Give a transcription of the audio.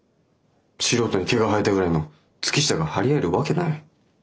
素人に毛が生えたぐらいの月下が張り合えるわけない。